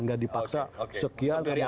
nggak dipaksa sekian